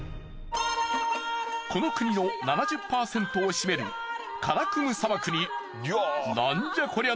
この国の７０％を占めるカラクム砂漠にナンじゃこりゃ！？